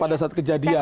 pada saat kejadian